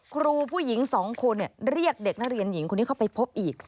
ครูผู้หญิง๒คนเรียกเด็กนักเรียนหญิงคนนี้เข้าไปพบอีก